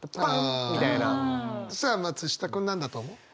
さあ松下君何だと思う？